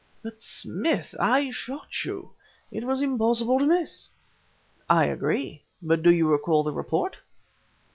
"But, Smith I shot you! It was impossible to miss!" "I agree. But do you recall the _report?